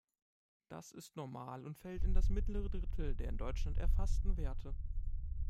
Das ist normal und fällt in das mittlere Drittel der in Deutschland erfassten Werte.